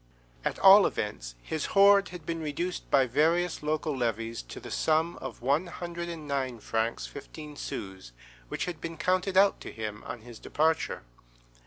At all events, his hoard had been reduced by various local levies to the sum of one hundred and nine francs fifteen sous, which had been counted out to him on his departure.